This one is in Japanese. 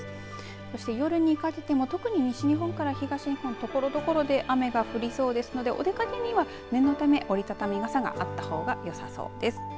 そして夜にかけても特に西日本から東日本ところどころで雨が降りそうですのでお出かけには念のため折り畳み傘があった方がよさそうです。